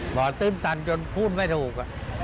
ตื้นตันจนพูดไม่ถูก